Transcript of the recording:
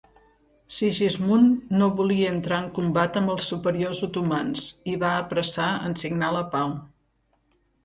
Sigismund no volia entrar en combat amb els superiors otomans i va apressar en signar la pau.